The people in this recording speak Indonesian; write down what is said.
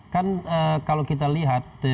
kan kalau kita lihat